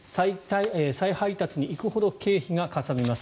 再配達に行くほど経費がかさみます。